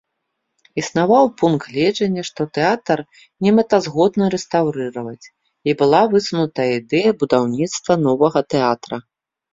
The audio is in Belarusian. Існаваў пункт гледжання, што тэатр немэтазгодна рэстаўрыраваць, і была высунутая ідэя будаўніцтва новага тэатра.